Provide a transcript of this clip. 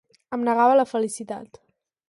Em negava la felicitat.